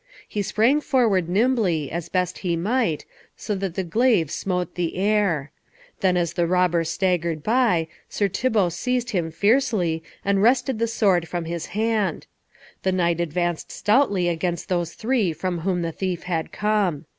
He sprang forward nimbly, as best he might, so that the glaive smote the air. Then as the robber staggered by, Sir Thibault seized him fiercely, and wrested the sword from his hand. The knight advanced stoutly against those three from whom the thief had come.